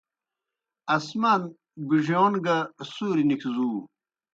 آسمان بِڙِیون گہ سُوریْ نِکھزُو۔